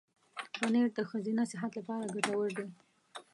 پنېر د ښځینه صحت لپاره ګټور دی.